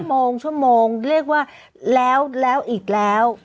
โมงชั่วโมงเรียกว่าแล้วแล้วอีกแล้ว